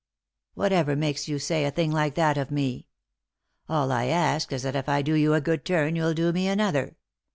Whatever makes you say a thing like that of me ? All I ask is that if I do you a good turn you'll do me another.